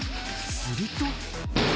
すると。